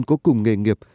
có cùng nghề